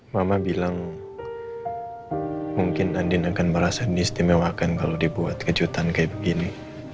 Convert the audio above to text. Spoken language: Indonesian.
mama bilang mungkin dandin akan merasa diistimewakan kalau dibuat kejutan kayak begini